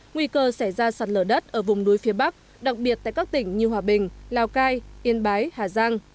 nguy cơ sẽ ra sạt lở đất ở vùng núi phía bắc đặc biệt tại các tỉnh như hòa bình lào cai yên bái hà giang